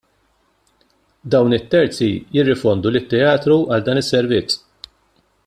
Dawn it-terzi jirrifondu lit-teatru għal dan is-servizz.